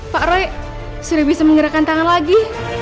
pak roy sudah bisa menggerakkan tangan lagi